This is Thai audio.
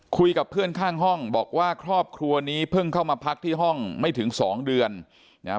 คุยกับเพื่อนข้างห้องบอกว่าครอบครัวนี้เพิ่งเข้ามาพักที่ห้องไม่ถึงสองเดือนนะฮะ